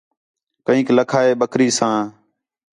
کینک لَکھا ہے بکری ساں